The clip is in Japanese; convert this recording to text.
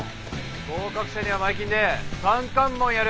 合格者には前金で３貫文やる！